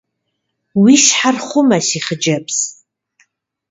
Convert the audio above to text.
Уи щхьэр хъумэ, си хъыджэбз.